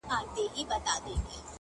ه یاره ولي چوپ یې مخکي داسي نه وې”